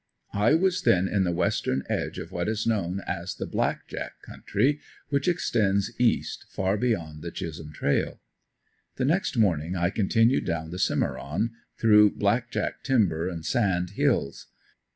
I was then in the western edge of what is known as the Black jack country, which extends east far beyond the Chisholm trail. The next morning I continued down the Cimeron, through Black jack timber and sand hills.